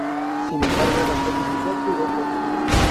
Sin embargo, la felicidad duró poco.